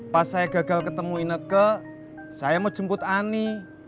pas saya gagal ketemu ineke saya mau jemput ani